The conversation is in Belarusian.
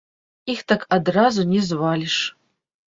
Іх так адразу не зваліш.